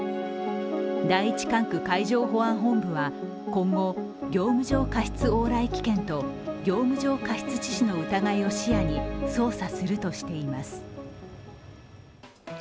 第一管区海上保安本部は今後、業務上過失往来危険と業務上過失致死の疑いを視野に捜査するとしています。